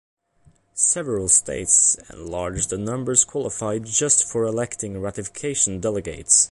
Several states enlarged the numbers qualified just for electing ratification delegates.